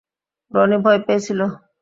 রনি ভয় পেয়েছিল।